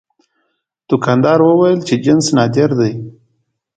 دوکاندار وویل چې جنس نادر دی.